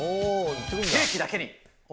ケーキだけに。